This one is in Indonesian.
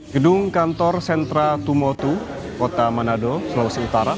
gedung kantor sentra tumotu kota manado sulawesi utara